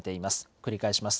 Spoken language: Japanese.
繰り返します。